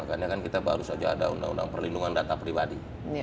karena kan kita baru saja ada undang undang perlindungan data pribadi